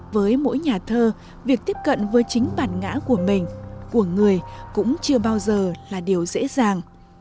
với mỗi nhà thơ việc tiếp cận với chính bản ngã của mình của người cũng chưa bao giờ là điều dễ dàng